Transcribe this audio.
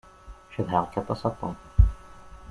Cedheɣ-k aṭas a Tom.